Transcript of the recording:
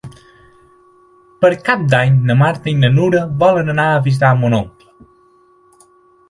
Per Cap d'Any na Marta i na Nura volen anar a visitar mon oncle.